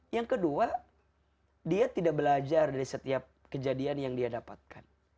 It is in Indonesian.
yang kedua dia tidak belajar dari setiap kejadian yang dia dapatkan